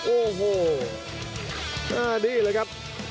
โอ้โหน่าดีเลยครับ